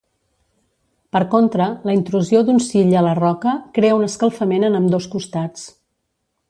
Per contra, la intrusió d'un sill a la roca crea un escalfament en ambdós costats.